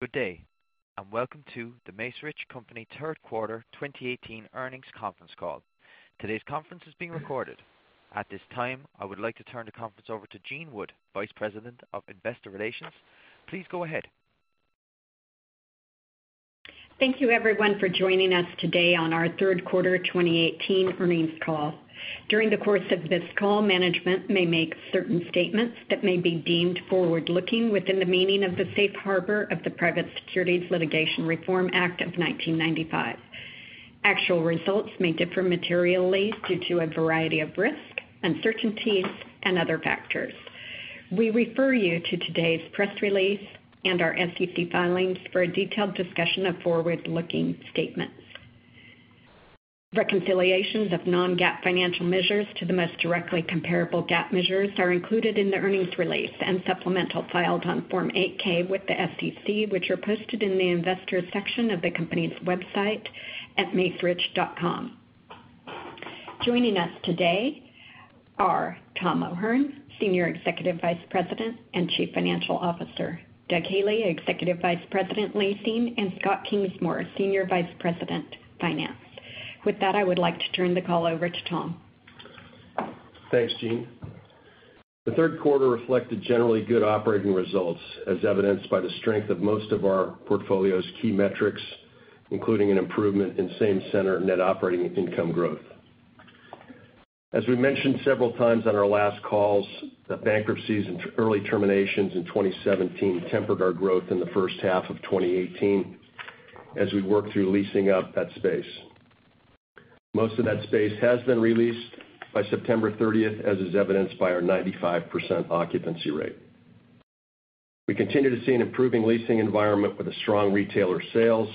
Good day, welcome to The Macerich Company third quarter 2018 earnings conference call. Today's conference is being recorded. At this time, I would like to turn the conference over to Jean Wood, Vice President of Investor Relations. Please go ahead. Thank you everyone for joining us today on our third quarter 2018 earnings call. During the course of this call, management may make certain statements that may be deemed forward-looking within the meaning of the safe harbor of the Private Securities Litigation Reform Act of 1995. Actual results may differ materially due to a variety of risks, uncertainties, and other factors. We refer you to today's press release and our SEC filings for a detailed discussion of forward-looking statements. Reconciliations of non-GAAP financial measures to the most directly comparable GAAP measures are included in the earnings release and supplemental filed on Form 8-K with the SEC, which are posted in the Investors section of the company's website at macerich.com. Joining us today are Thomas O'Hern, Senior Executive Vice President and Chief Financial Officer, Doug Healey, Executive Vice President, Leasing, and Scott Kingsmore, Senior Vice President, Finance. With that, I would like to turn the call over to Tom. Thanks, Jean. The third quarter reflected generally good operating results as evidenced by the strength of most of our portfolio's key metrics, including an improvement in Same-Center Net Operating Income growth. As we mentioned several times on our last calls, the bankruptcies and early terminations in 2017 tempered our growth in the first half of 2018 as we worked through leasing up that space. Most of that space has been re-leased by September 30th, as is evidenced by our 95% occupancy rate. We continue to see an improving leasing environment with a strong retailer sales,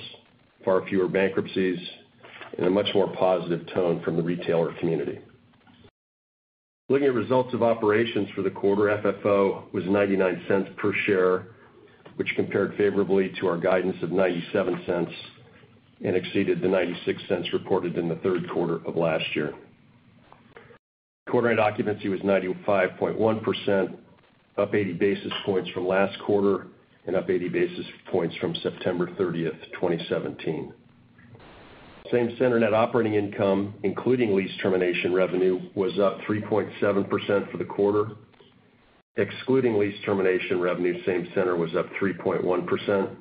far fewer bankruptcies, and a much more positive tone from the retailer community. Looking at results of operations for the quarter, FFO was $0.99 per share, which compared favorably to our guidance of $0.97 and exceeded the $0.96 reported in the third quarter of last year. Quarter-end occupancy was 95.1%, up 80 basis points from last quarter and up 80 basis points from September 30th, 2017. Same-Center Net Operating Income, including lease termination revenue, was up 3.7% for the quarter. Excluding lease termination revenue, same center was up 3.1%.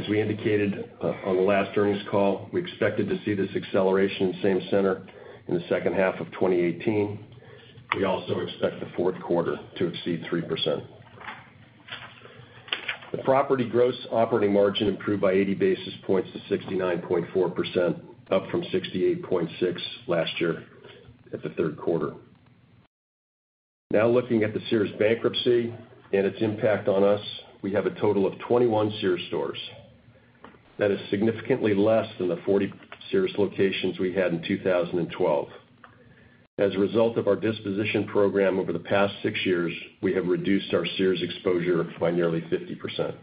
As we indicated on the last earnings call, we expected to see this acceleration in same center in the second half of 2018. We also expect the fourth quarter to exceed 3%. The property gross operating margin improved by 80 basis points to 69.4%, up from 68.6% last year at the third quarter. Looking at the Sears bankruptcy and its impact on us, we have a total of 21 Sears stores. That is significantly less than the 40 Sears locations we had in 2012. As a result of our disposition program over the past six years, we have reduced our Sears exposure by nearly 50%.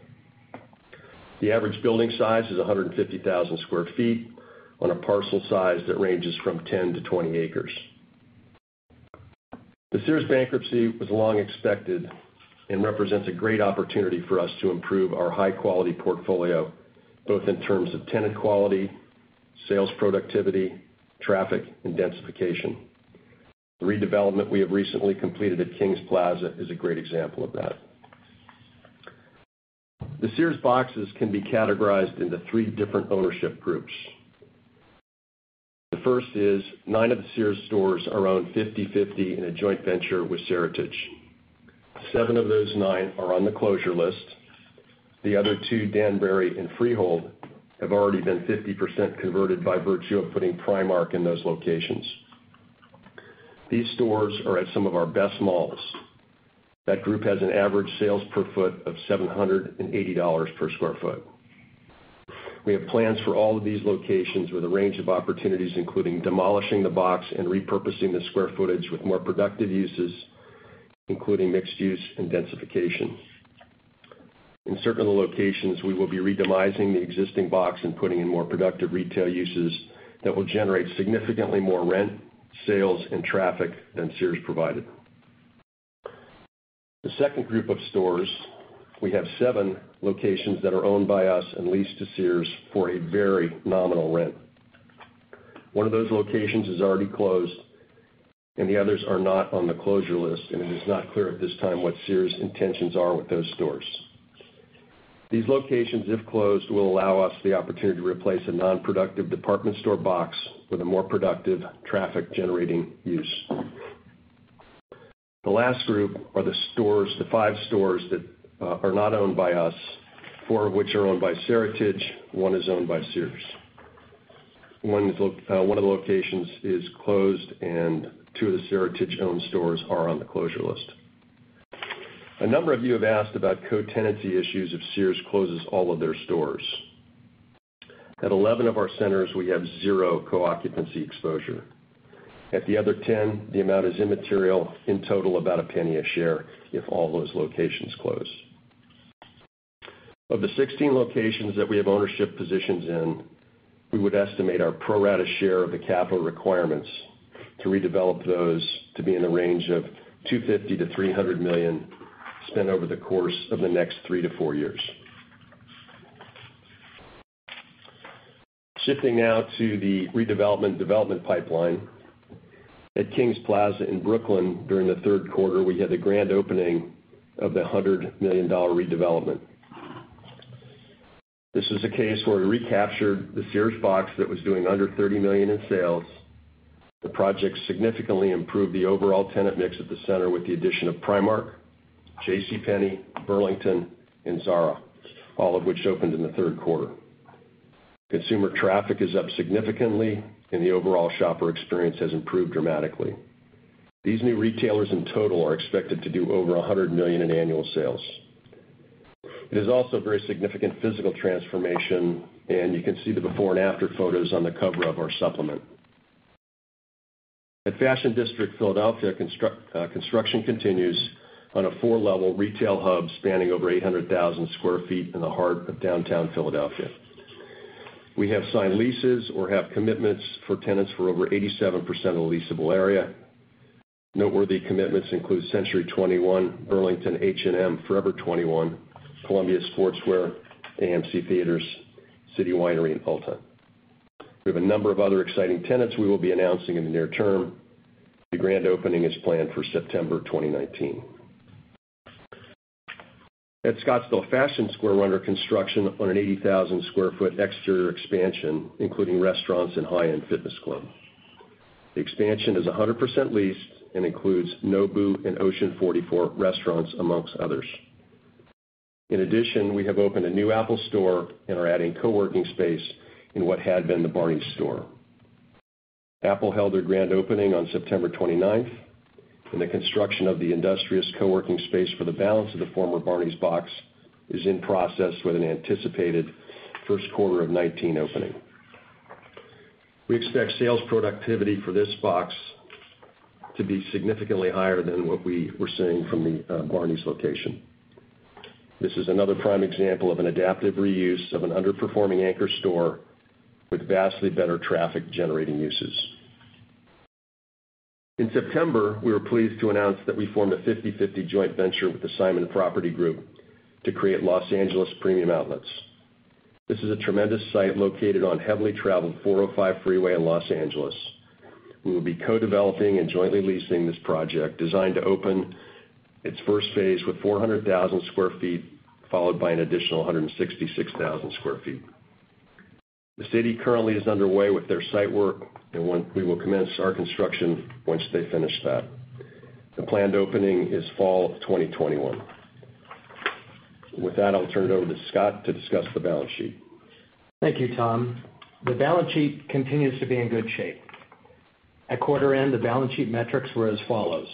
The average building size is 150,000 square feet on a parcel size that ranges from 10 to 20 acres. The Sears bankruptcy was long expected and represents a great opportunity for us to improve our high-quality portfolio, both in terms of tenant quality, sales productivity, traffic, and densification. The redevelopment we have recently completed at Kings Plaza is a great example of that. The Sears boxes can be categorized into three different ownership groups. The first is nine of the Sears stores are owned 50/50 in a joint venture with Seritage. Seven of those nine are on the closure list. The other two, Danbury and Freehold, have already been 50% converted by virtue of putting Primark in those locations. These stores are at some of our best malls. That group has an average sales per foot of $780 per square foot. We have plans for all of these locations with a range of opportunities, including demolishing the box and repurposing the square footage with more productive uses, including mixed use and densification. In certain of the locations, we will be re-demising the existing box and putting in more productive retail uses that will generate significantly more rent, sales, and traffic than Sears provided. The second group of stores, we have seven locations that are owned by us and leased to Sears for a very nominal rent. One of those locations is already closed, and the others are not on the closure list, and it is not clear at this time what Sears' intentions are with those stores. These locations, if closed, will allow us the opportunity to replace a non-productive department store box with a more productive traffic-generating use. The last group are the five stores that are not owned by us, four of which are owned by Seritage, one is owned by Sears. One of the locations is closed, and two of the Seritage-owned stores are on the closure list. A number of you have asked about co-tenancy issues if Sears closes all of their stores. At 11 of our centers, we have zero co-occupancy exposure. At the other 10, the amount is immaterial, in total, about $0.01 a share if all those locations close. Of the 16 locations that we have ownership positions in. We would estimate our pro-rata share of the capital requirements to redevelop those to be in the range of $250 million-$300 million spent over the course of the next three to four years. Shifting now to the redevelopment development pipeline. At Kings Plaza in Brooklyn, during the third quarter, we had the grand opening of the $100 million redevelopment. This is a case where we recaptured the Sears box that was doing under $30 million in sales. The project significantly improved the overall tenant mix at the center with the addition of Primark, JCPenney, Burlington, and Zara, all of which opened in the third quarter. Consumer traffic is up significantly and the overall shopper experience has improved dramatically. These new retailers in total are expected to do over $100 million in annual sales. It is also a very significant physical transformation, and you can see the before and after photos on the cover of our supplement. At Fashion District Philadelphia, construction continues on a 4-level retail hub spanning over 800,000 sq ft in the heart of downtown Philadelphia. We have signed leases or have commitments for tenants for over 87% of the leasable area. Noteworthy commitments include Century 21, Burlington, H&M, Forever 21, Columbia Sportswear, AMC Theatres, City Winery, and Ulta. We have a number of other exciting tenants we will be announcing in the near term. The grand opening is planned for September 2019. At Scottsdale Fashion Square, we are under construction on an 80,000 sq ft exterior expansion, including restaurants and high-end fitness club. The expansion is 100% leased and includes Nobu and Ocean 44 restaurants, amongst others. In addition, we have opened a new Apple store and are adding co-working space in what had been the Barneys store. Apple held their grand opening on September 29th, and the construction of the Industrious co-working space for the balance of the former Barneys box is in process with an anticipated first quarter of 2019 opening. We expect sales productivity for this box to be significantly higher than what we were seeing from the Barneys location. This is another prime example of an adaptive reuse of an underperforming anchor store with vastly better traffic-generating uses. In September, we were pleased to announce that we formed a 50/50 joint venture with the Simon Property Group to create Los Angeles Premium Outlets. This is a tremendous site located on heavily traveled 405 freeway in Los Angeles. We will be co-developing and jointly leasing this project, designed to open its first phase with 400,000 sq ft, followed by an additional 166,000 sq ft. The city currently is underway with their site work, and we will commence our construction once they finish that. The planned opening is fall of 2021. With that, I will turn it over to Scott to discuss the balance sheet. Thank you, Tom. The balance sheet continues to be in good shape. At quarter end, the balance sheet metrics were as follows: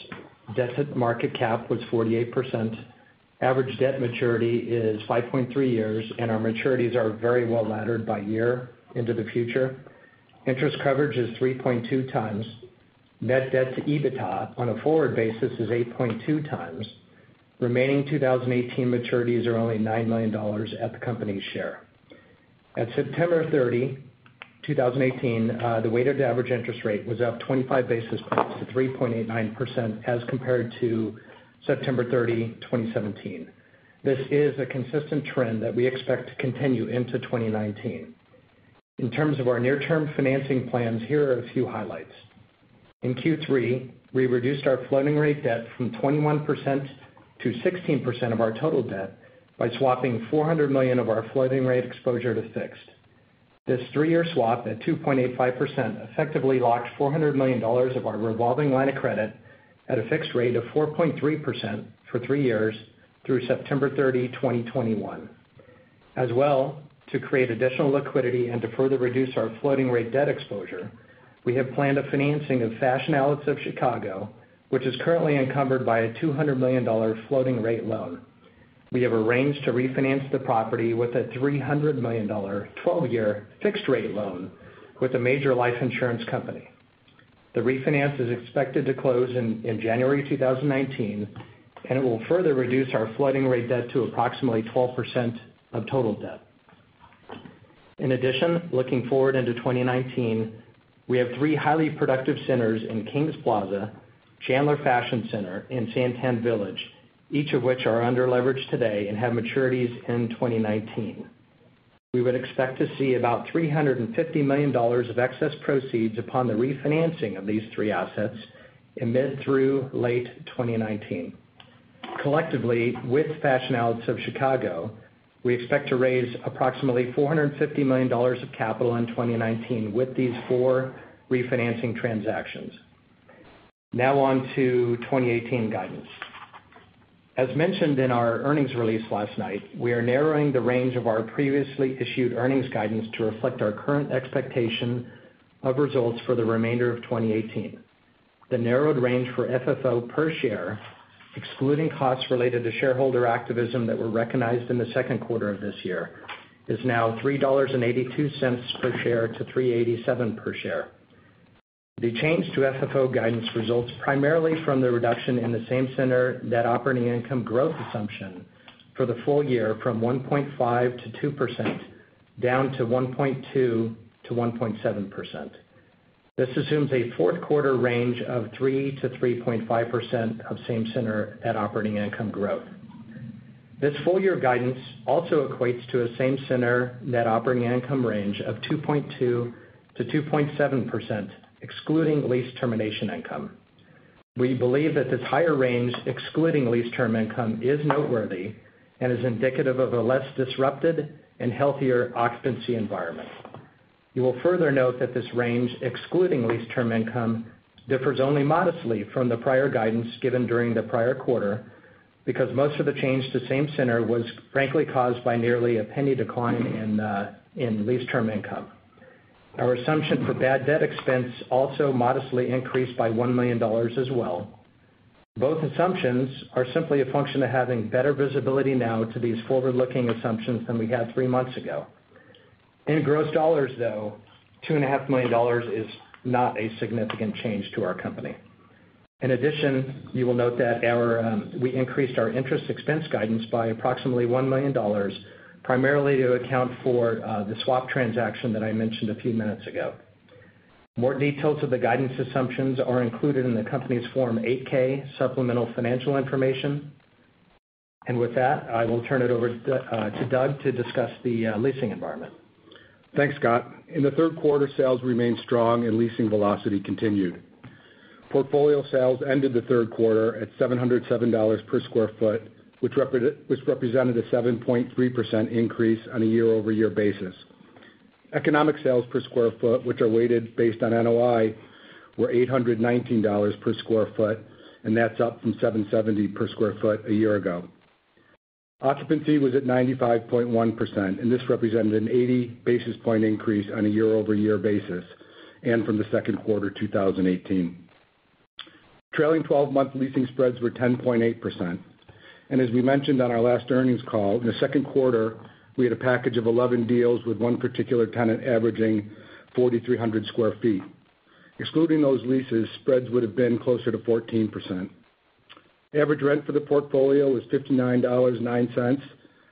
debt to market cap was 48%, average debt maturity is 5.3 years, and our maturities are very well laddered by year into the future. Interest coverage is 3.2 times. Net debt to EBITDA on a forward basis is 8.2 times. Remaining 2018 maturities are only $9 million at the company's share. At September 30, 2018, the weighted average interest rate was up 25 basis points to 3.89% as compared to September 30, 2017. This is a consistent trend that we expect to continue into 2019. In terms of our near-term financing plans, here are a few highlights. In Q3, we reduced our floating rate debt from 21% to 16% of our total debt by swapping $400 million of our floating rate exposure to fixed. This three-year swap at 2.85% effectively locked $400 million of our revolving line of credit at a fixed rate of 4.3% for three years through September 30, 2021. To create additional liquidity and to further reduce our floating rate debt exposure, we have planned a financing of Fashion Outlets of Chicago, which is currently encumbered by a $200 million floating rate loan. We have arranged to refinance the property with a $300 million 12-year fixed rate loan with a major life insurance company. The refinance is expected to close in January 2019. It will further reduce our floating rate debt to approximately 12% of total debt. In addition, looking forward into 2019, we have three highly productive centers in Kings Plaza, Chandler Fashion Center, and SanTan Village, each of which are under-leveraged today and have maturities in 2019. We would expect to see about $350 million of excess proceeds upon the refinancing of these three assets in mid through late 2019. Collectively, with Fashion Outlets of Chicago, we expect to raise approximately $450 million of capital in 2019 with these four refinancing transactions. Now on to 2018 guidance. As mentioned in our earnings release last night, we are narrowing the range of our previously issued earnings guidance to reflect our current expectation of results for the remainder of 2018. The narrowed range for FFO per share, excluding costs related to shareholder activism that were recognized in the second quarter of this year, is now $3.82 per share to $3.87 per share. The change to FFO guidance results primarily from the reduction in the Same-Center Net Operating Income growth assumption for the full year from 1.5%-2%, down to 1.2%-1.7%. This assumes a fourth quarter range of 3%-3.5% of Same-Center Net Operating Income growth. This full-year guidance also equates to a Same-Center Net Operating Income range of 2.2%-2.7%, excluding lease termination income. We believe that this higher range, excluding lease term income, is noteworthy and is indicative of a less disrupted and healthier occupancy environment. You will further note that this range, excluding lease term income, differs only modestly from the prior guidance given during the prior quarter because most of the change to Same-Center was frankly caused by nearly a penny decline in lease term income. Our assumption for bad debt expense also modestly increased by $1 million as well. Both assumptions are simply a function of having better visibility now to these forward-looking assumptions than we had three months ago. In gross dollars, though, $2.5 million is not a significant change to our company. You will note that we increased our interest expense guidance by approximately $1 million primarily to account for the swap transaction that I mentioned a few minutes ago. More details of the guidance assumptions are included in the company's Form 8-K supplemental financial information. With that, I will turn it over to Doug to discuss the leasing environment. Thanks, Scott. In the third quarter, sales remained strong and leasing velocity continued. Portfolio sales ended the third quarter at $707 per square foot, which represented a 7.3% increase on a year-over-year basis. Economic sales per square foot, which are weighted based on NOI, were $819 per square foot, and that's up from $770 per square foot a year ago. Occupancy was at 95.1%. This represented an 80 basis point increase on a year-over-year basis and from the second quarter 2018. Trailing 12-month leasing spreads were 10.8%. As we mentioned on our last earnings call, in the second quarter, we had a package of 11 deals with one particular tenant averaging 4,300 square feet. Excluding those leases, spreads would have been closer to 14%. Average rent for the portfolio was $59.09.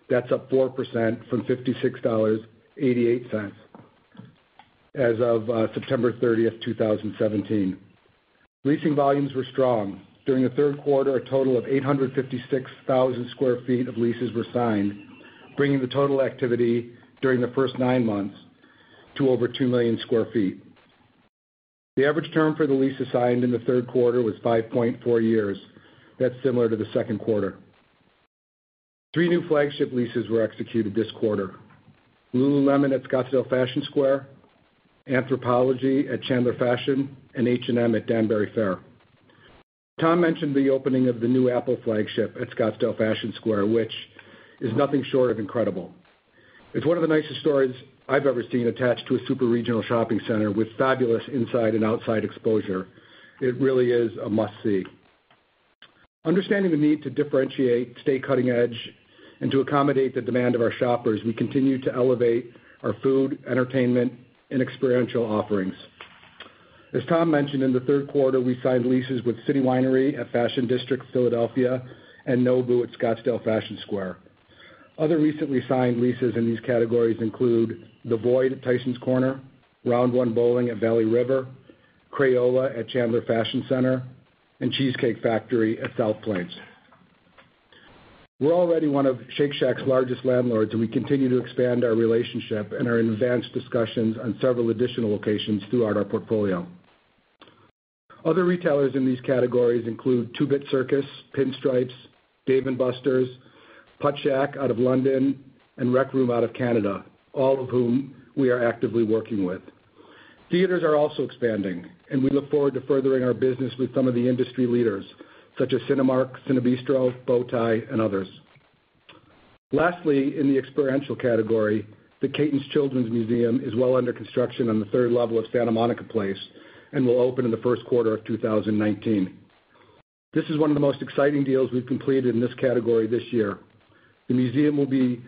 That's up 4% from $56.88 as of September 30th, 2017. Leasing volumes were strong. During the third quarter, a total of 856,000 square feet of leases were signed, bringing the total activity during the first nine months to over 2 million square feet. The average term for the leases signed in the third quarter was 5.4 years. That's similar to the second quarter. 3 new flagship leases were executed this quarter. Lululemon at Scottsdale Fashion Square, Anthropologie at Chandler Fashion Center, and H&M at Danbury Fair. Tom mentioned the opening of the new Apple flagship at Scottsdale Fashion Square, which is nothing short of incredible. It's one of the nicest stores I've ever seen attached to a super-regional shopping center with fabulous inside and outside exposure. It really is a must-see. Understanding the need to differentiate, stay cutting edge, and to accommodate the demand of our shoppers, we continue to elevate our food, entertainment, and experiential offerings. As Tom mentioned, in the third quarter, we signed leases with City Winery at Fashion District Philadelphia and Nobu at Scottsdale Fashion Square. Other recently signed leases in these categories include The VOID at Tysons Corner, Round1 at Valley River, Crayola Experience at Chandler Fashion Center, and The Cheesecake Factory at South Plains. We're already one of Shake Shack's largest landlords, and we continue to expand our relationship and are in advanced discussions on several additional locations throughout our portfolio. Other retailers in these categories include Two Bit Circus, Pinstripes, Dave & Buster's, Puttshack out of London, and The Rec Room out of Canada, all of whom we are actively working with. Theaters are also expanding, and we look forward to furthering our business with some of the industry leaders such as Cinemark, CinéBistro, Bow Tie Cinemas, and others. Lastly, in the experiential category, the Cayton Children's Museum is well under construction on the third level of Santa Monica Place and will open in the first quarter of 2019. This is one of the most exciting deals we've completed in this category this year. The museum will be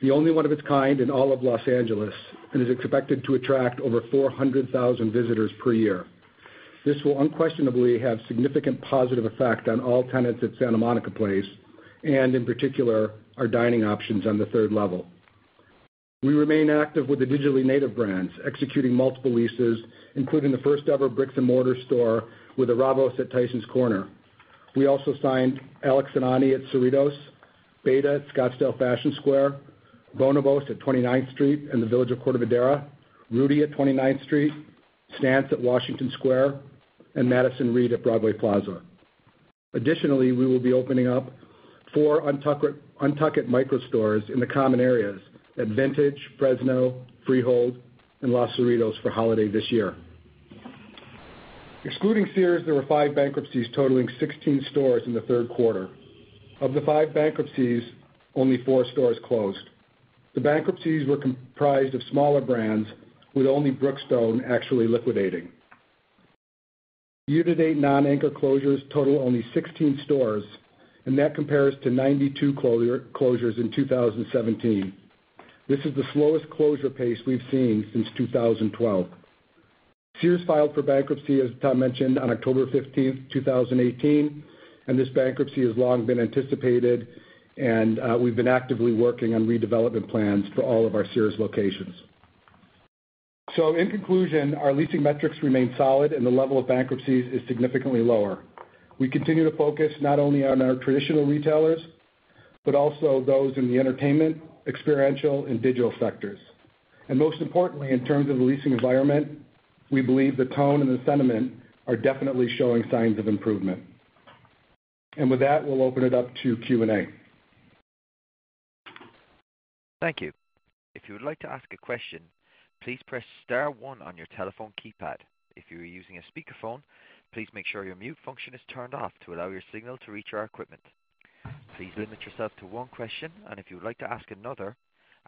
the only one of its kind in all of L.A. and is expected to attract over 400,000 visitors per year. This will unquestionably have significant positive effect on all tenants at Santa Monica Place and, in particular, our dining options on the third level. We remain active with the digitally native brands, executing multiple leases, including the first-ever bricks-and-mortar store with Arhaus at Tysons Corner. We also signed Alex and Ani at Los Cerritos Center, b8ta at Scottsdale Fashion Square, Bonobos at 29th Street and the Village of Corte Madera, Ruti at 29th Street, Stance at Washington Square, and Madison Reed at Broadway Plaza. Additionally, we will be opening up four UNTUCKit micro stores in the common areas at Vintage Faire Mall, Fashion Fair, Freehold, and Los Cerritos Center for holiday this year. Excluding Sears, there were five bankruptcies totaling 16 stores in the third quarter. Of the five bankruptcies, only four stores closed. The bankruptcies were comprised of smaller brands with only Brookstone actually liquidating. Year-to-date non-anchor closures total only 16 stores, that compares to 92 closures in 2017. This is the slowest closure pace we've seen since 2012. Sears filed for bankruptcy, as Thomas O'Hern mentioned, on October 15th, 2018, this bankruptcy has long been anticipated, we've been actively working on redevelopment plans for all of our Sears locations. In conclusion, our leasing metrics remain solid, the level of bankruptcies is significantly lower. We continue to focus not only on our traditional retailers, but also those in the entertainment, experiential, and digital sectors. Most importantly, in terms of the leasing environment, we believe the tone and the sentiment are definitely showing signs of improvement. With that, we'll open it up to Q&A. Thank you. If you would like to ask a question, please press *1 on your telephone keypad. If you are using a speakerphone, please make sure your mute function is turned off to allow your signal to reach our equipment. Please limit yourself to one question, if you would like to ask another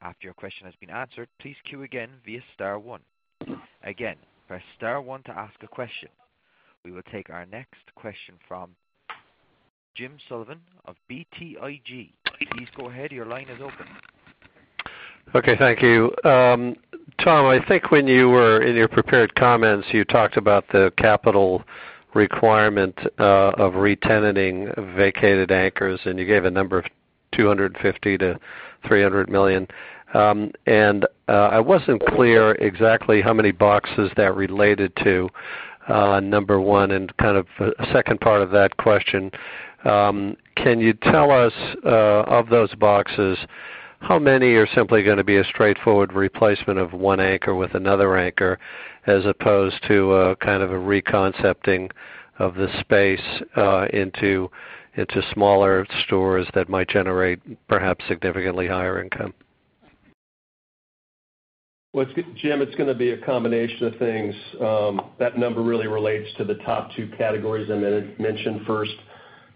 after your question has been answered, please queue again via *1. Again, press *1 to ask a question. We will take our next question from James Sullivan of BTIG. Please go ahead. Your line is open. Okay. Thank you. Thomas O'Hern, I think when you were in your prepared comments, you talked about the capital requirement of re-tenanting vacated anchors, you gave a number of $250 million-$300 million. I wasn't clear exactly how many boxes that related to, number one, kind of second part of that question, can you tell us, of those boxes, how many are simply going to be a straightforward replacement of one anchor with another anchor, as opposed to a kind of a re-concepting of the space into smaller stores that might generate perhaps significantly higher income? Well, Jim, it is going to be a combination of things. That number really relates to the top two categories. I mentioned first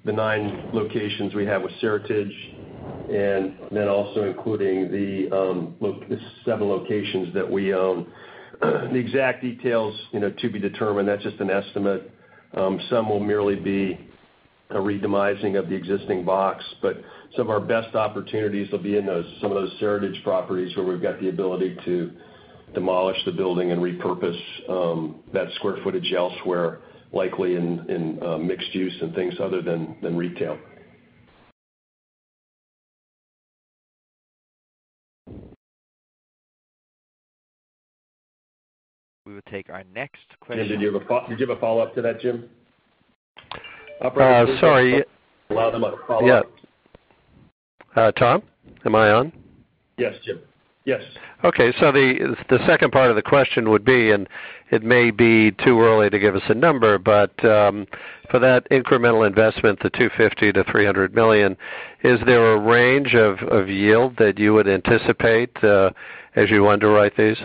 the nine locations we have with Seritage and then also including the seven locations that we own. The exact details to be determined. That is just an estimate. Some will merely be a re-demising of the existing box, but some of our best opportunities will be in some of those Seritage properties where we have got the ability to demolish the building and repurpose that square footage elsewhere, likely in mixed use and things other than retail. We will take our next question. Jim, did you have a follow-up to that, Jim? Sorry. Allow them a follow-up. Yeah. Tom, am I on? Yes, Jim. Yes. Okay. The second part of the question would be, and it may be too early to give us a number, but for that incremental investment, the $250 million-$300 million, is there a range of yield that you would anticipate as you underwrite these?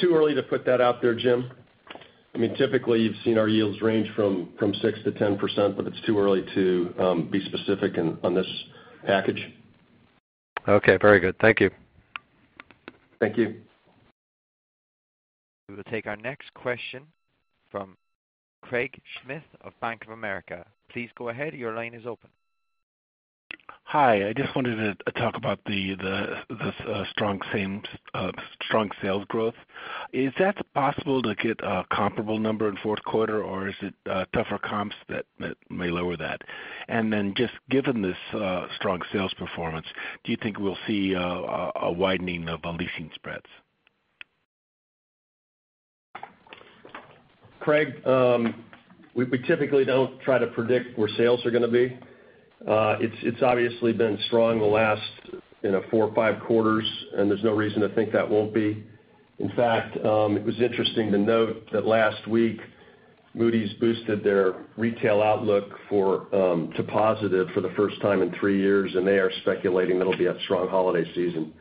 Too early to put that out there, Jim. Typically, you've seen our yields range from 6%-10%, but it's too early to be specific on this package. Okay, very good. Thank you. Thank you. We will take our next question from Craig Schmidt of Bank of America. Please go ahead. Your line is open. Hi. I just wanted to talk about the strong sales growth. Is that possible to get a comparable number in fourth quarter, or is it tougher comps that may lower that? Just given this strong sales performance, do you think we'll see a widening of leasing spreads? Craig, we typically don't try to predict where sales are going to be. It's obviously been strong the last four or five quarters, there's no reason to think that won't be. In fact, it was interesting to note that last week, Moody's boosted their retail outlook to positive for the first time in three years, they are speculating it'll be a strong holiday season.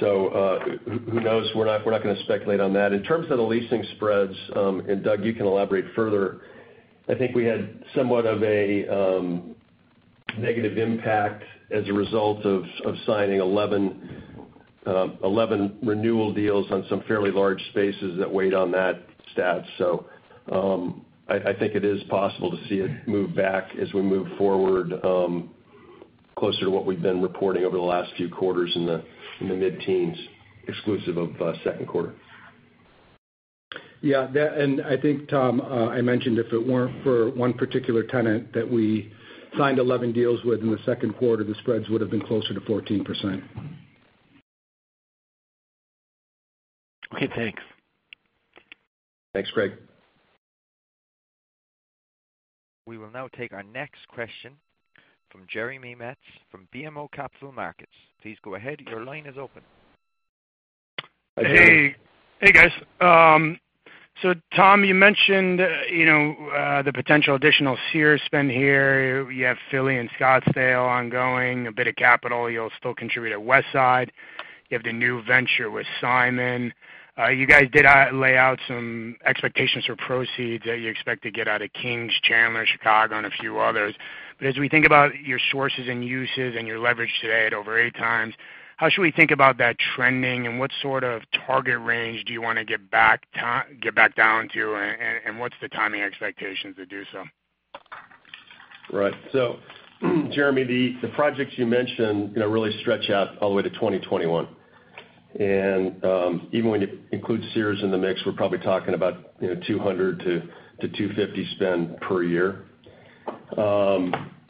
Who knows? We're not going to speculate on that. In terms of the leasing spreads, Doug, you can elaborate further, I think we had somewhat of a negative impact as a result of signing 11 renewal deals on some fairly large spaces that weighed on that stat. I think it is possible to see it move back as we move forward closer to what we've been reporting over the last few quarters in the mid-teens, exclusive of second quarter. I think, Tom, I mentioned if it weren't for one particular tenant that we signed 11 deals with in the second quarter, the spreads would have been closer to 14%. Okay, thanks. Thanks, Craig. We will now take our next question from Jeremy Metz from BMO Capital Markets. Please go ahead. Your line is open. Hi, Jeremy. Hey, guys. Tom, you mentioned the potential additional Sears spin here. You have Philly and Scottsdale ongoing, a bit of capital you'll still contribute at Westside. You have the new venture with Simon. You guys did lay out some expectations for proceeds that you expect to get out of Kings, Chandler, Chicago, and a few others. As we think about your sources and uses and your leverage today at over 8 times, how should we think about that trending, and what sort of target range do you want to get back down to and what's the timing expectations to do so? Right. Jeremy, the projects you mentioned really stretch out all the way to 2021. Even when you include Sears in the mix, we're probably talking about $200 to $250 spend per year.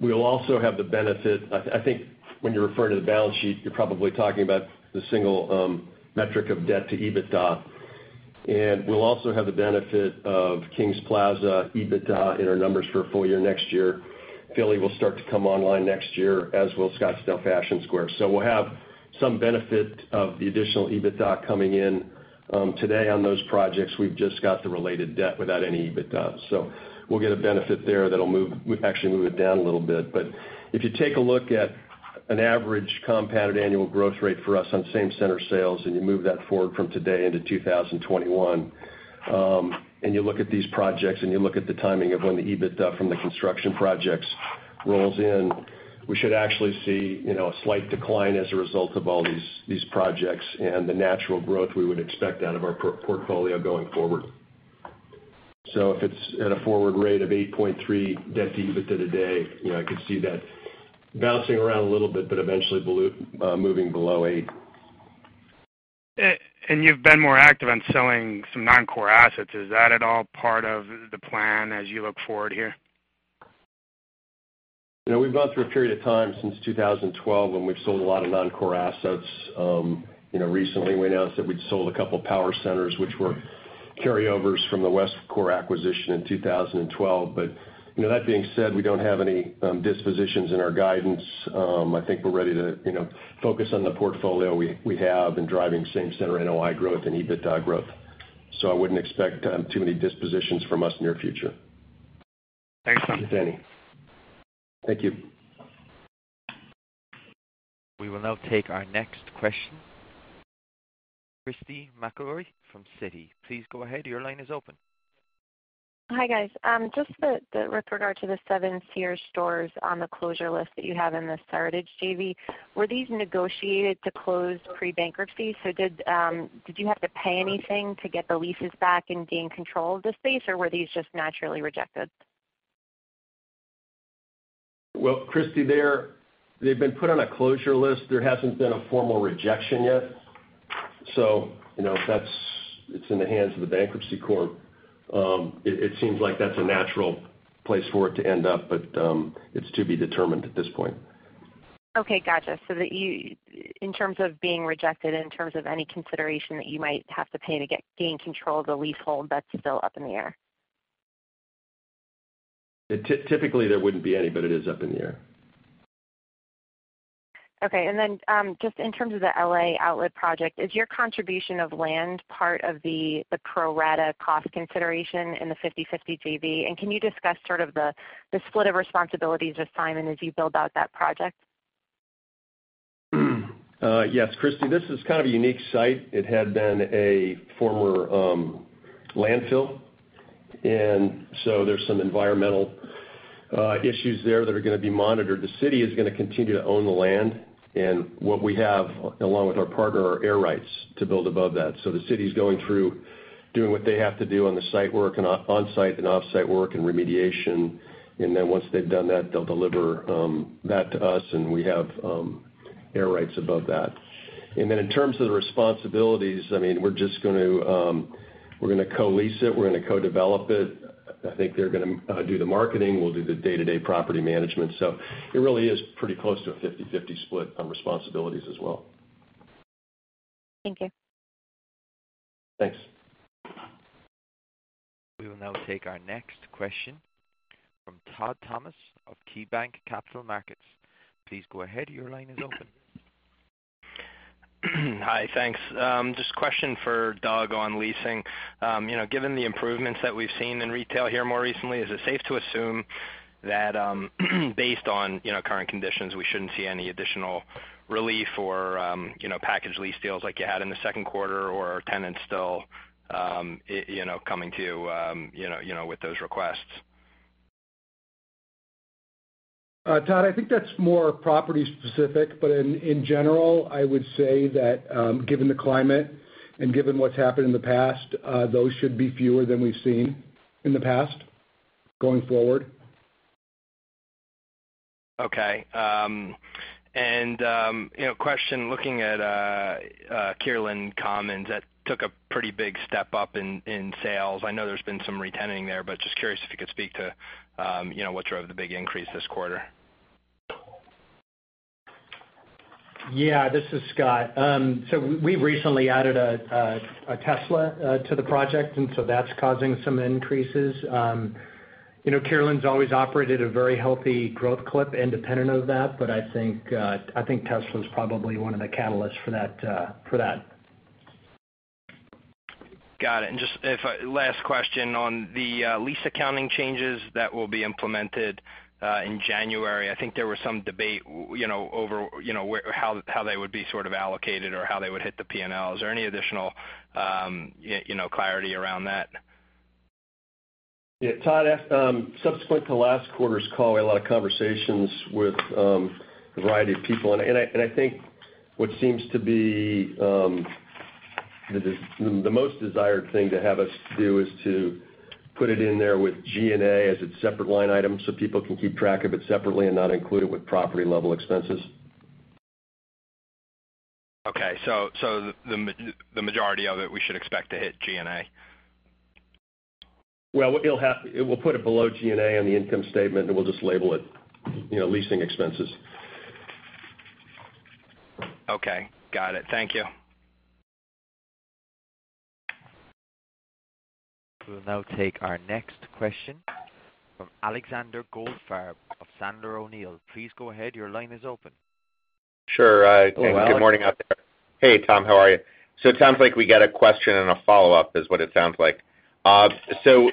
We'll also have the benefit, I think when you're referring to the balance sheet, you're probably talking about the single metric of debt to EBITDA. We'll also have the benefit of Kings Plaza, EBITDA in our numbers for a full year next year. Philly will start to come online next year, as will Scottsdale Fashion Square. We'll have some benefit of the additional EBITDA coming in. Today on those projects, we've just got the related debt without any EBITDA. We'll get a benefit there that'll actually move it down a little bit. If you take a look at an average compounded annual growth rate for us on same center sales, and you move that forward from today into 2021, and you look at these projects, and you look at the timing of when the EBITDA from the construction projects rolls in, we should actually see a slight decline as a result of all these projects and the natural growth we would expect out of our portfolio going forward. If it's at a forward rate of 8.3 debt to EBITDA today, I could see that bouncing around a little bit, but eventually moving below eight. You've been more active on selling some non-core assets. Is that at all part of the plan as you look forward here? We've gone through a period of time since 2012 when we've sold a lot of non-core assets. Recently, we announced that we'd sold a couple power centers, which were carryovers from the Westcor acquisition in 2012. That being said, we don't have any dispositions in our guidance. I think we're ready to focus on the portfolio we have and driving same center NOI growth and EBITDA growth. I wouldn't expect too many dispositions from us near future. Thanks, Tom. If any. Thank you. We will now take our next question. Christy McElroy from Citi. Please go ahead. Your line is open. Hi, guys. Just with regard to the seven Sears stores on the closure list that you have in the Seritage JV, were these negotiated to close pre-bankruptcy? Did you have to pay anything to get the leases back and gain control of the space, or were these just naturally rejected? Well, Christy, they've been put on a closure list. There hasn't been a formal rejection yet. It's in the hands of the bankruptcy court. It seems like that's a natural place for it to end up, but it's to be determined at this point. Gotcha. In terms of being rejected, in terms of any consideration that you might have to pay to gain control of the leasehold, that's still up in the air. Typically there wouldn't be any, but it is up in the air. Okay. Then, just in terms of the L.A. Outlet project, is your contribution of land part of the pro rata cost consideration in the 50/50 JV? Can you discuss sort of the split of responsibilities with Simon as you build out that project? Yes, Christy. This is kind of a unique site. It had been a former landfill, and so there's some environmental issues there that are going to be monitored. The city is going to continue to own the land, and what we have, along with our partner, are air rights to build above that. The city's going through doing what they have to do on the site work and off-site work and remediation. Then once they've done that, they'll deliver that to us, and we have air rights above that. In terms of the responsibilities, we're going to co-lease it. We're going to co-develop it. I think they're going to do the marketing. We'll do the day-to-day property management. It really is pretty close to a 50/50 split on responsibilities as well. Thank you. Thanks. We will now take our next question from Todd Thomas of KeyBanc Capital Markets. Please go ahead. Your line is open. Hi. Thanks. Just a question for Doug on leasing. Given the improvements that we've seen in retail here more recently, is it safe to assume that based on current conditions, we shouldn't see any additional relief or package lease deals like you had in the second quarter, or are tenants still coming to you with those requests? Todd, I think that's more property specific, but in general, I would say that given the climate and given what's happened in the past, those should be fewer than we've seen in the past, going forward. A question looking at Kierland Commons. That took a pretty big step up in sales. I know there's been some re-tenanting there, just curious if you could speak to what drove the big increase this quarter. Yeah. This is Scott. We recently added a Tesla to the project, that's causing some increases. Kierland's always operated a very healthy growth clip independent of that, I think Tesla is probably one of the catalysts for that. Got it. Just last question on the lease accounting changes that will be implemented in January. I think there was some debate over how they would be sort of allocated or how they would hit the P&L. Is there any additional clarity around that? Yeah, Todd, subsequent to last quarter's call, we had a lot of conversations with a variety of people, I think what seems to be the most desired thing to have us do is to put it in there with G&A as its separate line item so people can keep track of it separately and not include it with property-level expenses. Okay. The majority of it, we should expect to hit G&A. Well, we'll put it below G&A on the income statement. We'll just label it leasing expenses. Okay. Got it. Thank you. We'll now take our next question from Alexander Goldfarb of Sandler O'Neill. Please go ahead. Your line is open. Sure. Hello, Alex. Good morning, out there. Hey, Tom, how are you? It sounds like we get a question and a follow-up is what it sounds like. The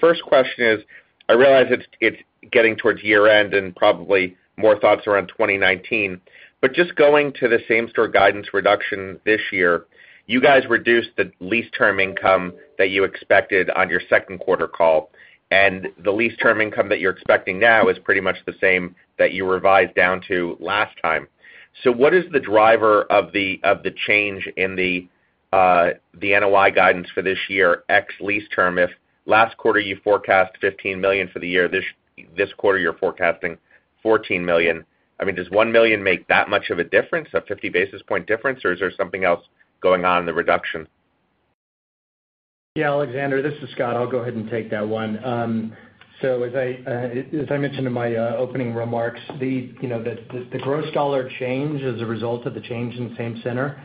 first question is, I realize it's getting towards year-end and probably more thoughts around 2019, but just going to the same-store guidance reduction this year, you guys reduced the lease term income that you expected on your second quarter call, and the lease term income that you're expecting now is pretty much the same that you revised down to last time. What is the driver of the change in the NOI guidance for this year, ex lease term, if last quarter you forecast $15 million for the year, this quarter you're forecasting $14 million. Does $1 million make that much of a difference, a 50 basis point difference, or is there something else going on in the reduction? Yeah, Alexander, this is Scott. I'll go ahead and take that one. As I mentioned in my opening remarks, the gross dollar change as a result of the change in the same-center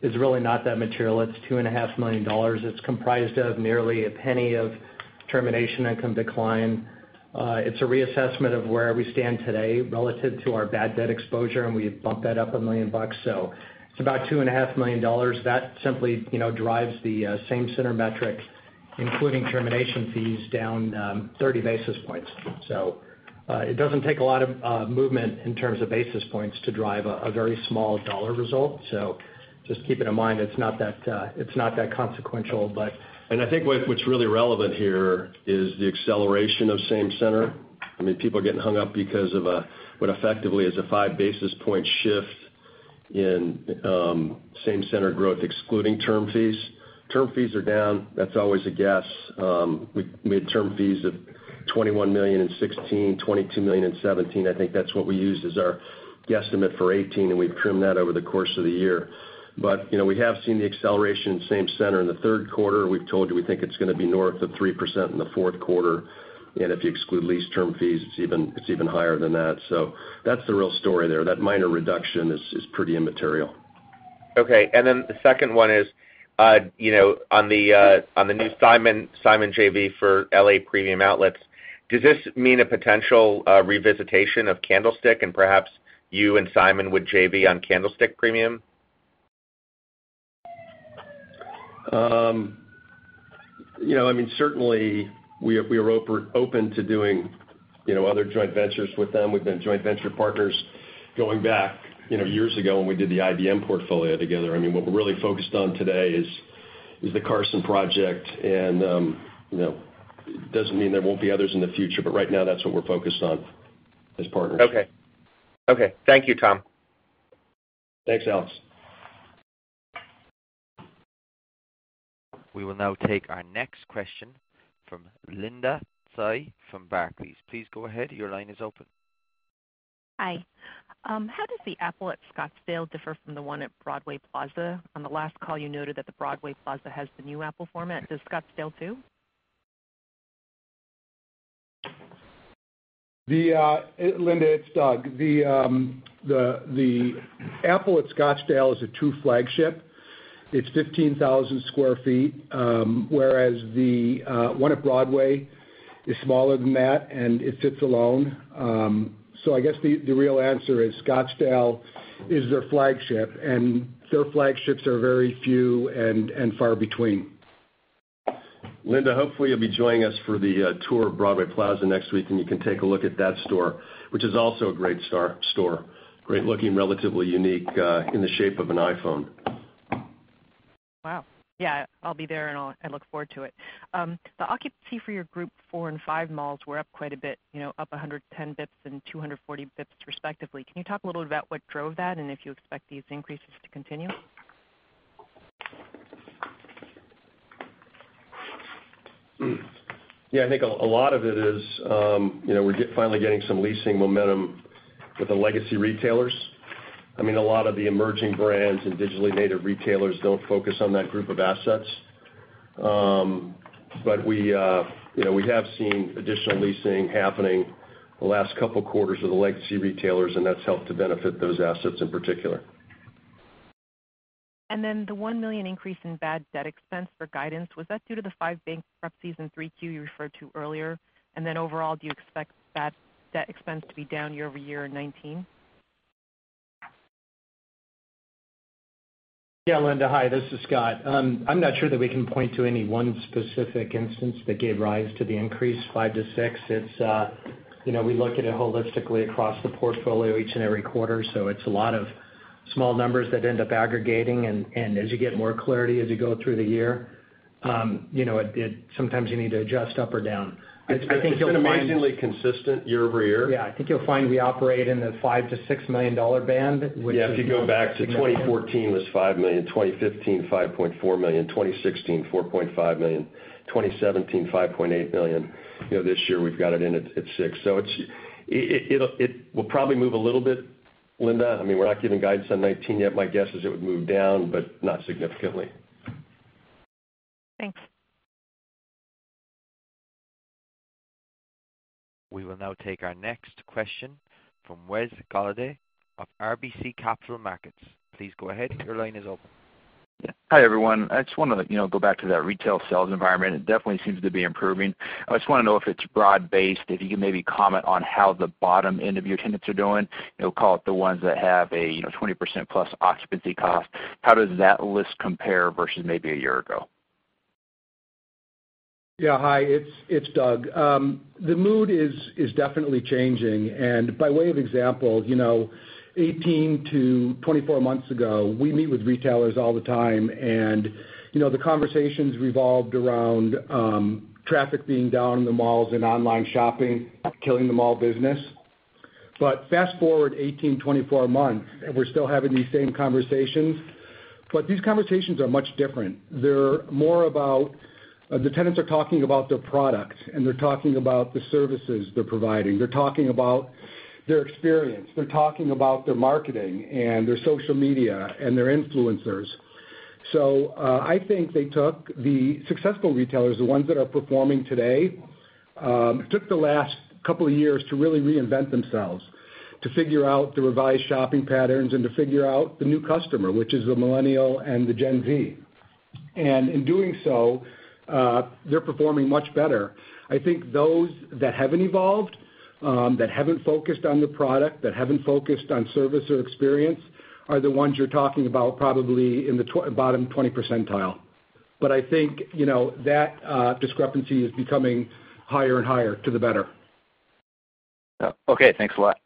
is really not that material. It's $2.5 million. It's comprised of nearly $0.01 of termination income decline. It's a reassessment of where we stand today relative to our bad debt exposure, and we bumped that up $1 million. It's about $2.5 million. That simply drives the same-center metric, including termination fees, down 30 basis points. It doesn't take a lot of movement in terms of basis points to drive a very small dollar result. Just keep it in mind, it's not that consequential, but. I think what's really relevant here is the acceleration of same-center. People are getting hung up because of what effectively is a five basis point shift in same-center growth, excluding term fees. Term fees are down. That's always a guess. We made term fees of $21 million in 2016, $22 million in 2017. I think that's what we used as our guesstimate for 2018, and we've trimmed that over the course of the year. We have seen the acceleration in same-center in the third quarter. We've told you we think it's going to be north of 3% in the fourth quarter. If you exclude lease term fees, it's even higher than that. That's the real story there. That minor reduction is pretty immaterial. Okay. The second one is, on the new Simon JV for L.A. Premium Outlets, does this mean a potential revisitation of Candlestick and perhaps you and Simon would JV on Candlestick Premium? Certainly, we are open to doing other joint ventures with them. We've been joint venture partners going back years ago when we did the IBM portfolio together. What we're really focused on today is the Carson project, and it doesn't mean there won't be others in the future, but right now that's what we're focused on as partners. Okay. Thank you, Tom. Thanks, Alex. We will now take our next question from Linda Tsai from Barclays. Please go ahead. Your line is open. Hi. How does the Apple at Scottsdale differ from the one at Broadway Plaza? On the last call, you noted that the Broadway Plaza has the new Apple format. Does Scottsdale too? Linda, it's Doug. The Apple at Scottsdale is a true flagship. It's 15,000 sq ft, whereas the one at Broadway is smaller than that and it sits alone. I guess the real answer is Scottsdale is their flagship, and their flagships are very few and far between. Linda, hopefully, you'll be joining us for the tour of Broadway Plaza next week, and you can take a look at that store, which is also a great store. Great looking, relatively unique, in the shape of an iPhone. Wow. Yeah, I'll be there, and I look forward to it. The occupancy for your group 4 and 5 malls were up quite a bit, up 110 basis points and 240 basis points respectively. Can you talk a little about what drove that and if you expect these increases to continue? I think a lot of it is we're finally getting some leasing momentum with the legacy retailers. A lot of the emerging brands and digitally native retailers don't focus on that group of assets. We have seen additional leasing happening the last couple of quarters with the legacy retailers, and that's helped to benefit those assets in particular. The $1 million increase in bad debt expense for guidance, was that due to the five bankruptcies in 3Q you referred to earlier? Overall, do you expect bad debt expense to be down year-over-year in 2019? Linda. Hi, this is Scott. I'm not sure that we can point to any one specific instance that gave rise to the increase five to six. We look at it holistically across the portfolio each and every quarter. It's a lot of small numbers that end up aggregating, and as you get more clarity as you go through the year. Sometimes you need to adjust up or down. It's been amazingly consistent year-over-year. Yeah, I think you'll find we operate in the $5 million-$6 million band. Yeah, if you go back to 2014, was $5 million. 2015, $5.4 million. 2016, $4.5 million. 2017, $5.8 million. This year, we've got it in at $6 million. It will probably move a little bit, Linda. We're not giving guidance on 2019 yet. My guess is it would move down, but not significantly. Thanks. We will now take our next question from Wes Golladay of RBC Capital Markets. Please go ahead. Your line is open. Hi, everyone. I just want to go back to that retail sales environment. It definitely seems to be improving. I just want to know if it's broad based, if you can maybe comment on how the bottom end of your tenants are doing. Call it the ones that have a 20% plus occupancy cost. How does that list compare versus maybe a year ago? Yeah. Hi, it's Doug. The mood is definitely changing. By way of example, 18 to 24 months ago, we meet with retailers all the time, the conversations revolved around traffic being down in the malls and online shopping killing the mall business. Fast-forward 18, 24 months, we're still having these same conversations, these conversations are much different. They're more about the tenants are talking about their product, and they're talking about the services they're providing. They're talking about their experience. They're talking about their marketing and their social media and their influencers. I think they took the successful retailers, the ones that are performing today, took the last couple of years to really reinvent themselves, to figure out the revised shopping patterns and to figure out the new customer, which is the millennial and the Gen Z. In doing so, they're performing much better. I think those that haven't evolved, that haven't focused on the product, that haven't focused on service or experience, are the ones you're talking about probably in the bottom 20 percentile. I think that discrepancy is becoming higher and higher to the better. Okay, thanks a lot.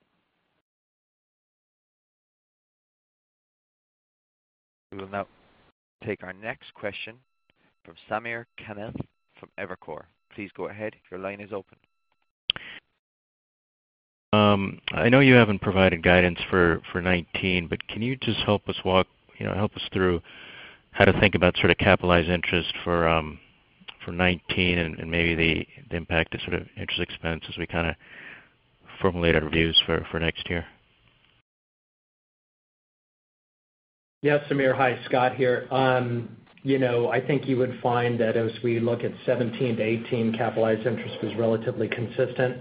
We will now take our next question from Samir Khanal from Evercore. Please go ahead. Your line is open. I know you haven't provided guidance for 2019, can you just help us through how to think about sort of capitalized interest for 2019 and maybe the impact of sort of interest expense as we kind of formulate our views for next year? Yes, Samir, hi, Scott here. I think you would find that as we look at 2017 to 2018, capitalized interest was relatively consistent.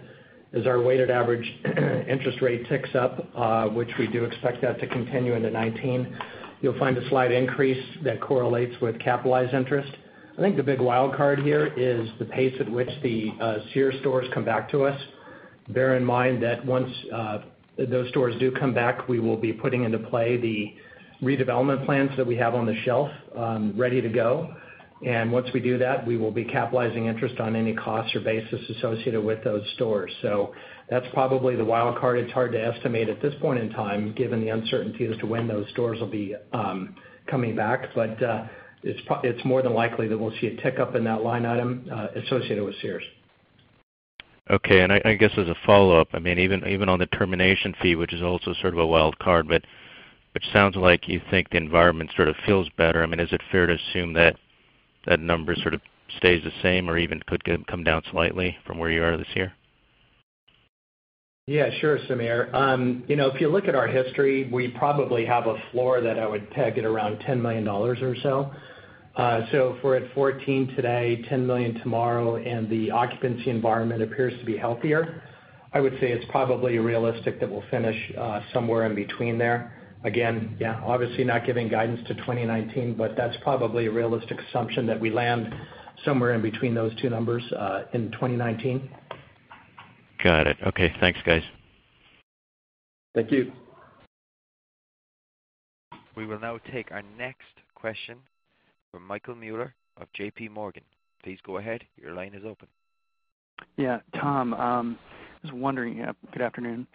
As our weighted average interest rate ticks up, which we do expect that to continue into 2019, you'll find a slight increase that correlates with capitalized interest. I think the big wild card here is the pace at which the Sears stores come back to us. Bear in mind that once those stores do come back, we will be putting into play the redevelopment plans that we have on the shelf ready to go. Once we do that, we will be capitalizing interest on any costs or bases associated with those stores. That's probably the wild card. It's hard to estimate at this point in time, given the uncertainty as to when those stores will be coming back. It's more than likely that we'll see a tick up in that line item associated with Sears. I guess as a follow-up, even on the termination fee, which is also sort of a wild card, it sounds like you think the environment sort of feels better. Is it fair to assume that that number sort of stays the same or even could come down slightly from where you are this year? Yeah, sure, Samir. If you look at our history, we probably have a floor that I would peg at around $10 million or so. If we're at $14 today, $10 million tomorrow, the occupancy environment appears to be healthier, I would say it's probably realistic that we'll finish somewhere in between there. Again, yeah, obviously not giving guidance to 2019, that's probably a realistic assumption that we land somewhere in between those two numbers in 2019. Got it. Thanks, guys. Thank you. We will now take our next question from Michael Mueller of J.P. Morgan. Please go ahead. Your line is open. Tom. Good afternoon.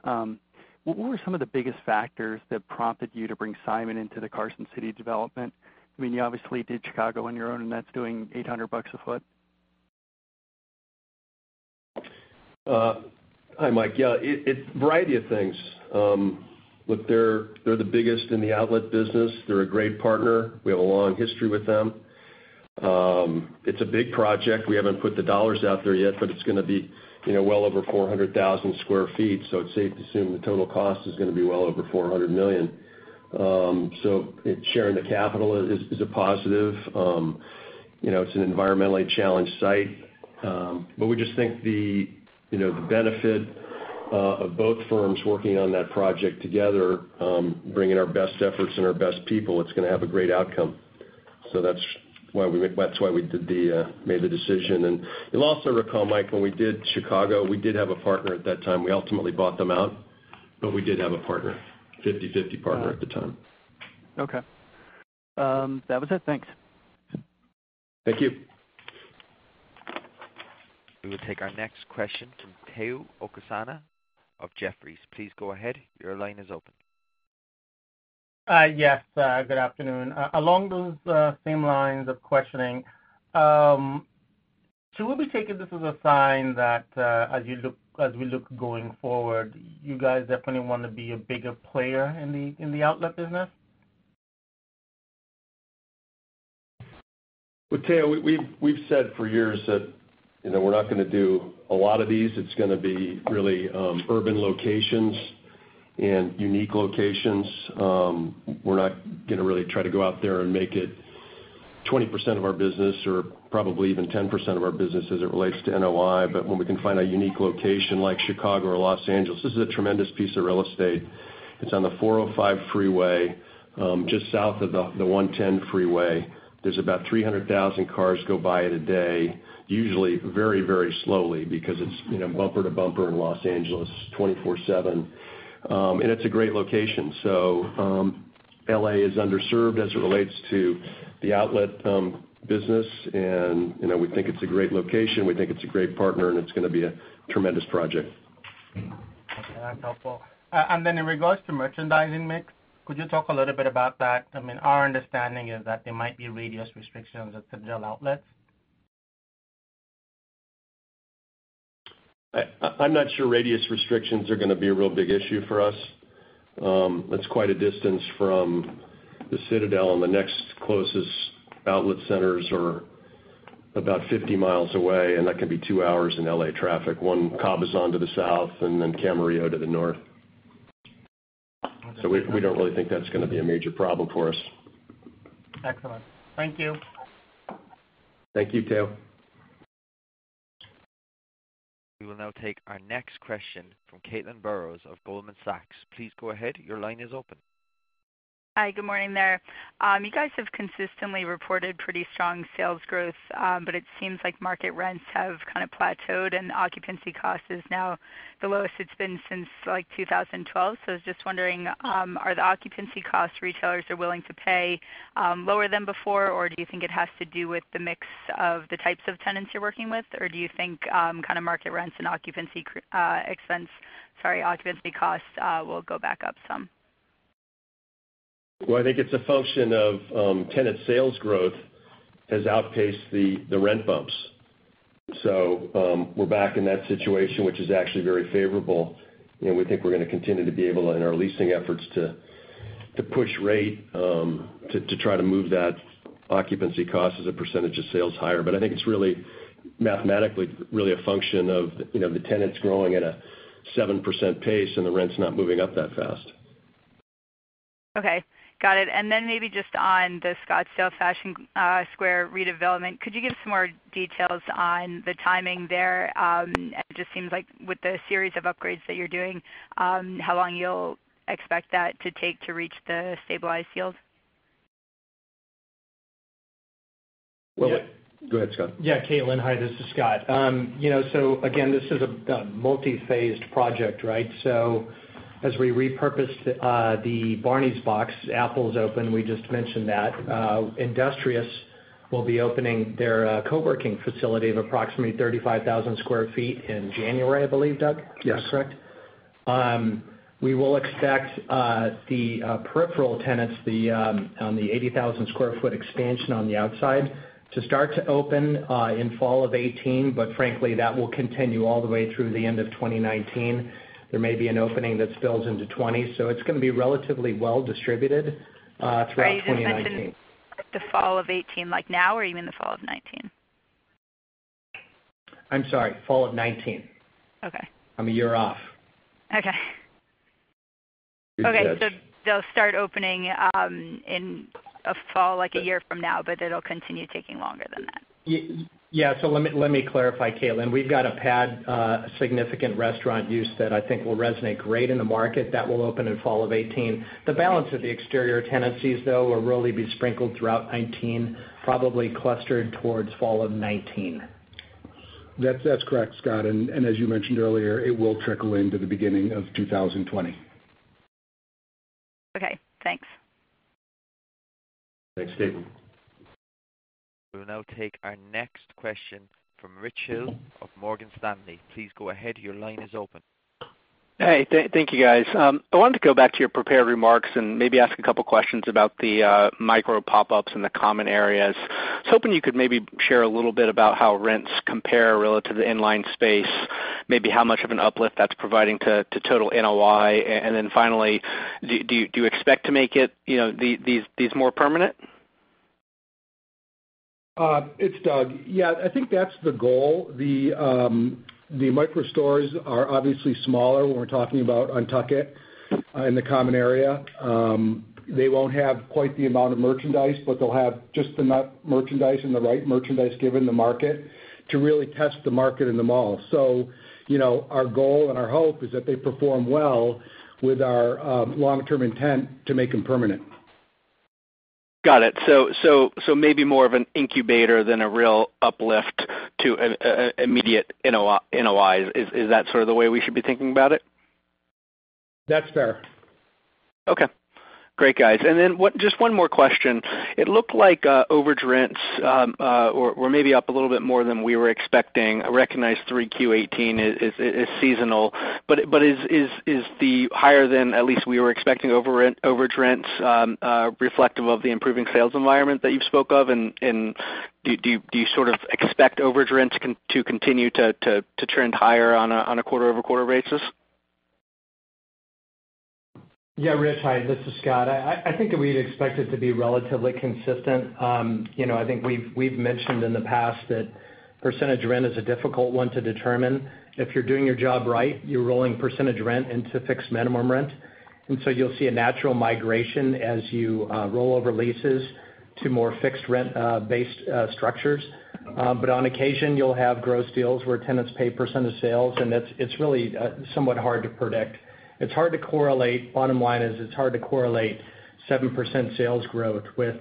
What were some of the biggest factors that prompted you to bring Simon into the Carson City development? You obviously did Chicago on your own, and that's doing $800 a foot. Mike. It's a variety of things. They're the biggest in the outlet business. They're a great partner. We have a long history with them. It's a big project. We haven't put the dollars out there yet, but it's going to be well over 400,000 square feet, so it's safe to assume the total cost is going to be well over $400 million. Sharing the capital is a positive. It's an environmentally challenged site. We just think the benefit of both firms working on that project together, bringing our best efforts and our best people, it's going to have a great outcome. That's why we made the decision. You'll also recall, Mike, when we did Chicago, we did have a partner at that time. We ultimately bought them out, but we did have a partner, 50/50 partner at the time. Okay. That was it. Thanks. Thank you. We will take our next question from Omotayo Okusanya of Jefferies. Please go ahead. Your line is open. Yes, good afternoon. Along those same lines of questioning, should we be taking this as a sign that, as we look going forward, you guys definitely want to be a bigger player in the outlet business? Well, Tao, we've said for years that we're not going to do a lot of these. It's going to be really urban locations and unique locations. We're not going to really try to go out there and make it 20% of our business or probably even 10% of our business as it relates to NOI. When we can find a unique location like Chicago or Los Angeles, this is a tremendous piece of real estate. It's on the 405 freeway, just south of the 110 freeway. There's about 300,000 cars go by it a day, usually very slowly because it's bumper to bumper in Los Angeles 24/7. It's a great location. L.A. is underserved as it relates to the outlet business and we think it's a great location, we think it's a great partner, and it's going to be a tremendous project. Okay, that's helpful. In regards to merchandising mix, could you talk a little bit about that? Our understanding is that there might be radius restrictions at Citadel Outlets. I'm not sure radius restrictions are going to be a real big issue for us. That's quite a distance from the Citadel. The next closest outlet centers are about 50 mi away, and that can be 2 hours in L.A. traffic. One in Cabazon to the south. Camarillo to the north. We don't really think that's going to be a major problem for us. Excellent. Thank you. Thank you, Tao. We will now take our next question from Caitlin Burrows of Goldman Sachs. Please go ahead. Your line is open. Hi, good morning there. You guys have consistently reported pretty strong sales growth, it seems like market rents have kind of plateaued and occupancy cost is now the lowest it's been since 2012. I was just wondering, are the occupancy costs retailers are willing to pay lower than before, or do you think it has to do with the mix of the types of tenants you're working with? Do you think kind of market rents and occupancy costs will go back up some? Well, I think it's a function of tenant sales growth has outpaced the rent bumps. We're back in that situation, which is actually very favorable. We think we're going to continue to be able, in our leasing efforts, to push rate to try to move that occupancy cost as a percentage of sales higher. I think it's really mathematically a function of the tenants growing at a 7% pace and the rent's not moving up that fast. Okay, got it. Maybe just on the Scottsdale Fashion Square redevelopment, could you give some more details on the timing there? It just seems like with the series of upgrades that you're doing, how long you'll expect that to take to reach the stabilized yields? Well- Yeah. Go ahead, Scott. Yeah, Caitlin. Hi, this is Scott. Again, this is a multi-phased project, right? As we repurpose the Barneys box, Apple's open, we just mentioned that. Industrious will be opening their co-working facility of approximately 35,000 sq ft in January, I believe, Doug? Yes. Is that correct? We will expect the peripheral tenants on the 80,000 sq ft expansion on the outside to start to open in fall of 2018, frankly, that will continue all the way through the end of 2019. There may be an opening that spills into 2020. It's going to be relatively well distributed throughout 2019. Sorry, you just mentioned the fall of 2018, like now or you mean the fall of 2019? I'm sorry, fall of 2019. Okay. I'm a year off. Okay. Okay, they'll start opening in fall, like a year from now, but it'll continue taking longer than that. Yeah. Let me clarify, Caitlin. We've got a pad, a significant restaurant use that I think will resonate great in the market. That will open in fall of 2018. The balance of the exterior tenancies, though, will really be sprinkled throughout 2019, probably clustered towards fall of 2019. That's correct, Scott. As you mentioned earlier, it will trickle into the beginning of 2020. Okay, thanks. Thanks, Caitlin. We will now take our next question from Richard Hill of Morgan Stanley. Please go ahead. Your line is open. Thank you guys. I wanted to go back to your prepared remarks and maybe ask a couple questions about the micro pop-ups in the common areas. I was hoping you could maybe share a little bit about how rents compare relative to the in-line space, maybe how much of an uplift that's providing to total NOI. Then finally, do you expect to make these more permanent? It's Doug. Yeah, I think that's the goal. The micro stores are obviously smaller when we're talking about UNTUCKit in the common area. They won't have quite the amount of merchandise, but they'll have just enough merchandise and the right merchandise given the market to really test the market in the mall. Our goal and our hope is that they perform well with our long-term intent to make them permanent. Got it. Maybe more of an incubator than a real uplift to immediate NOI. Is that sort of the way we should be thinking about it? That's fair. Okay. Great, guys. Just one more question. It looked like overage rents were maybe up a little bit more than we were expecting. I recognize 3Q18 is seasonal. Is the higher than at least we were expecting overage rents reflective of the improving sales environment that you've spoke of? Do you sort of expect overage rents to continue to trend higher on a quarter-over-quarter basis? Yeah, Rich. Hi, this is Scott. I think that we'd expect it to be relatively consistent. I think we've mentioned in the past that percentage rent is a difficult one to determine. If you're doing your job right, you're rolling percentage rent into fixed minimum rent. You'll see a natural migration as you roll over leases to more fixed rent-based structures. On occasion, you'll have gross deals where tenants pay percent of sales, and it's really somewhat hard to predict. Bottom line is it's hard to correlate 7% sales growth with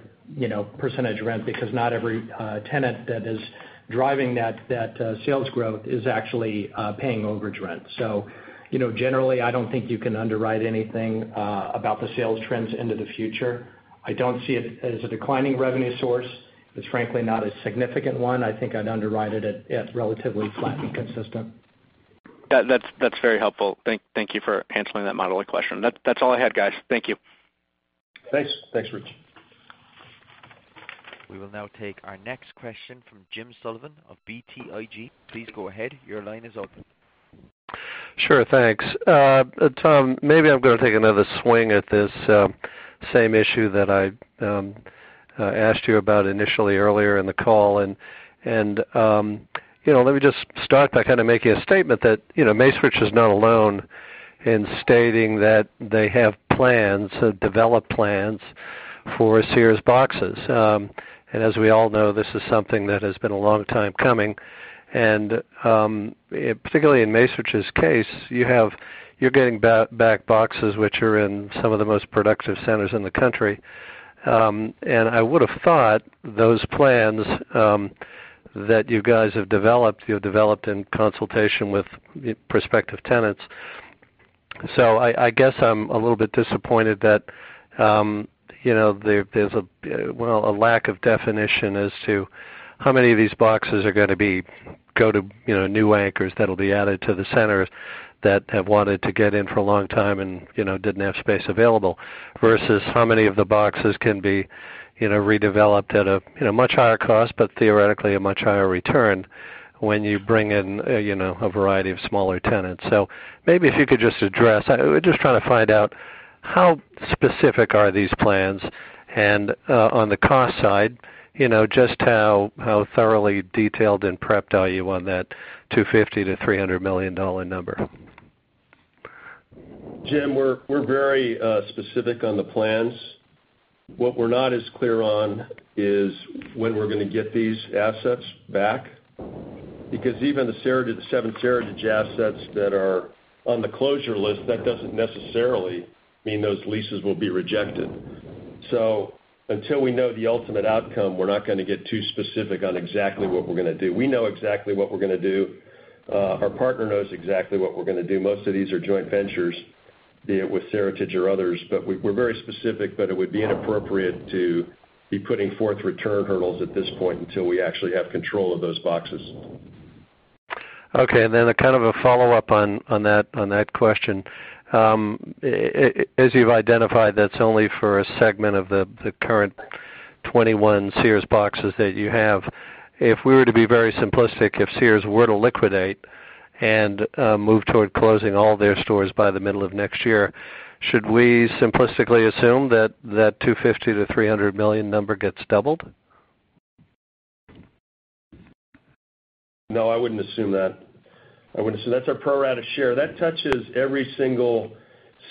percentage rent because not every tenant that is driving that sales growth is actually paying overage rent. Generally, I don't think you can underwrite anything about the sales trends into the future. I don't see it as a declining revenue source. It's frankly not a significant one. I think I'd underwrite it at relatively flat and consistent. That's very helpful. Thank you for answering that modeling question. That's all I had, guys. Thank you. Thanks. Thanks, Rich. We will now take our next question from James Sullivan of BTIG. Please go ahead. Your line is open. Sure, thanks. Tom, maybe I'm going to take another swing at this same issue that I asked you about initially earlier in the call. Let me just start by kind of making a statement that Macerich is not alone in stating that they have plans to develop plans for Sears boxes. As we all know, this is something that has been a long time coming. Particularly in Macerich's case, you're getting back boxes which are in some of the most productive centers in the country. I would've thought those plans that you guys have developed, you have developed in consultation with prospective tenants. I guess I'm a little bit disappointed that there's a lack of definition as to how many of these boxes are going to go to new anchors that'll be added to the centers that have wanted to get in for a long time and didn't have space available, versus how many of the boxes can be redeveloped at a much higher cost, but theoretically a much higher return when you bring in a variety of smaller tenants. Maybe if you could just address. We're just trying to find out how specific are these plans. On the cost side, just how thoroughly detailed and prepped are you on that $250 million-$300 million number? Jim, we're very specific on the plans. What we're not as clear on is when we're going to get these assets back. Because even the seven Seritage assets that are on the closure list, that doesn't necessarily mean those leases will be rejected. So until we know the ultimate outcome, we're not going to get too specific on exactly what we're going to do. We know exactly what we're going to do. Our partner knows exactly what we're going to do. Most of these are joint ventures, be it with Seritage or others. We're very specific, but it would be inappropriate to be putting forth return hurdles at this point until we actually have control of those boxes. Okay, a kind of a follow-up on that question. As you've identified, that's only for a segment of the current 21 Sears boxes that you have. If we were to be very simplistic, if Sears were to liquidate and move toward closing all their stores by the middle of next year, should we simplistically assume that that $250 million to $300 million number gets doubled? No, I wouldn't assume that. That's our pro rata share. That touches every single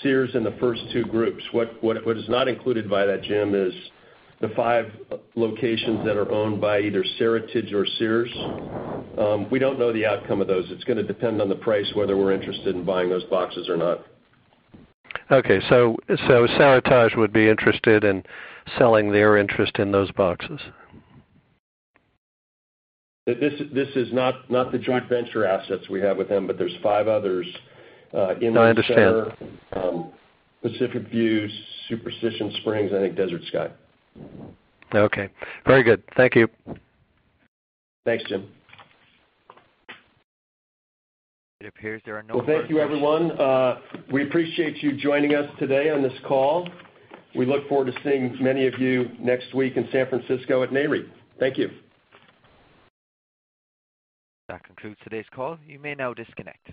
Sears in the first two groups. What is not included by that, Jim, is the five locations that are owned by either Seritage or Sears. We don't know the outcome of those. It's going to depend on the price, whether we're interested in buying those boxes or not. Okay. Seritage would be interested in selling their interest in those boxes? This is not the joint venture assets we have with them, but there's five others in the center. No, I understand. Pacific View, Superstition Springs, and I think Desert Sky. Okay. Very good. Thank you. Thanks, Jim. It appears there are no more questions. Well, thank you, everyone. We appreciate you joining us today on this call. We look forward to seeing many of you next week in San Francisco at Nareit. Thank you. That concludes today's call. You may now disconnect.